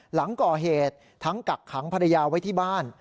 หลังก่อเหตุทั้งกักขังภรรยาไว้ที่บ้าน